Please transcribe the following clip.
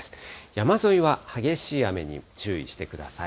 山沿いは激しい雨に注意してください。